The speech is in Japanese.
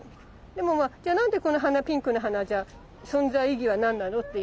でもまあじゃあなんでこの花ピンクの花は存在意義は何なのっていうと。